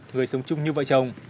người sống chung như vợ chồng